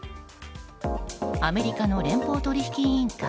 アメリカの連邦取引委員会